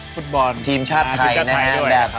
ฟุตบอลทีมชาติไทยนะครับ